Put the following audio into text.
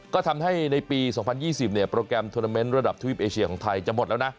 ก็ทำให้ในปี๒๐๒๐เนี่ยโปรแกรมทวนาเมนต์ระดับทวีปเอเชียของไทยจะหมดแล้วนะ